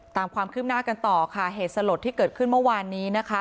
ตามความคืบหน้ากันต่อค่ะเหตุสลดที่เกิดขึ้นเมื่อวานนี้นะคะ